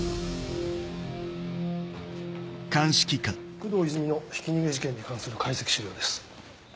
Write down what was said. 工藤泉のひき逃げ事件に関する解析資料です。